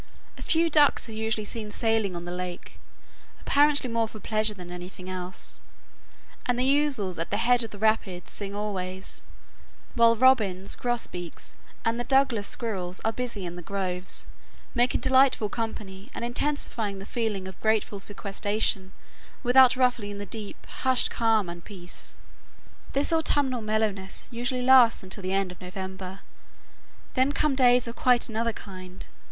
A few ducks are usually seen sailing on the lake, apparently more for pleasure than anything else, and the ouzels at the head of the rapids sing always; while robins, grosbeaks, and the Douglas squirrels are busy in the groves, making delightful company, and intensifying the feeling of grateful sequestration without ruffling the deep, hushed calm and peace. [Illustration: VERNAL FALL, YOSEMITE VALLEY] This autumnal mellowness usually lasts until the end of November. Then come days of quite another kind.